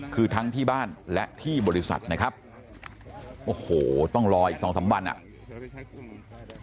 คือทั้งที่บ้านและที่บริษัทนะครับโอ้โหต้องรออีกสองสามวันอ่ะ